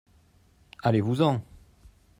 allez-vous en.